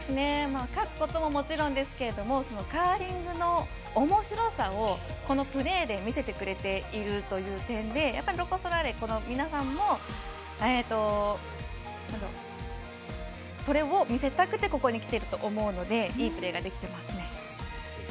勝つことももちろんですけどカーリングのおもしろさをこのプレーで見せてくれているという点でロコ・ソラーレ、皆さんもそれを見せたくてここに来てると思うのでいいプレーができていますね。